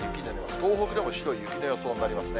東北でも白い雪の予想になりますね。